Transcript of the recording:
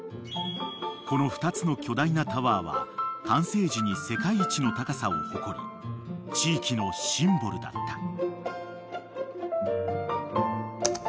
［この２つの巨大なタワーは完成時に世界一の高さを誇り地域のシンボルだった］